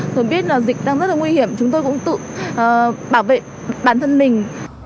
tôi biết là dịch đang rất là nguy hiểm chúng tôi cũng tự bảo vệ bản thân mình